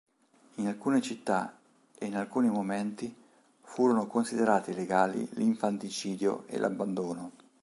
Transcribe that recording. In alcune città e in alcuni momenti furono considerati legali l'infanticidio e l'abbandono.